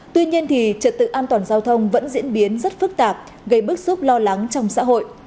tuy nhiên trật tự an toàn giao thông vẫn diễn biến rất phức tạp gây bức xúc lo lắng trong xã hội